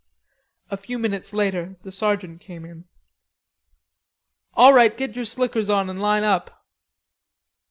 A few minutes later the sergeant came in. "All right, get your slickers on and line up."